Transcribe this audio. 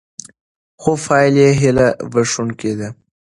خو پایلې هیله بښوونکې دي.